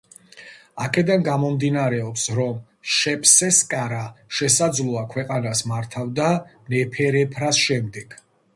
აქედან გამომდინარეობს, რომ შეპსესკარა შესაძლოა ქვეყანას მართავდა ნეფერეფრას შემდეგ.